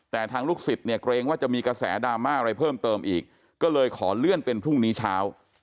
แต่ทางลูกศิษย์เนี่ยเกรงว่าจะมีกระแสดราม่าอะไรเพิ่มเติมอีกก็เลยขอเลื่อนเป็นพรุ่งนี้เช้า